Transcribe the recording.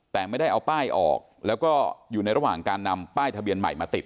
แต่ไม่ได้เอาป้ายออกแล้วก็อยู่ในระหว่างการนำป้ายทะเบียนใหม่มาติด